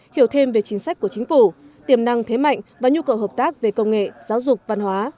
hiểu thêm về chính sách của chính phủ tiềm năng thế mạnh và nhu cầu hợp tác về công nghệ giáo dục văn hóa